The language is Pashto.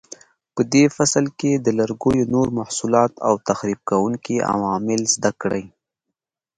په دې فصل کې د لرګیو نور محصولات او تخریب کوونکي عوامل زده کړئ.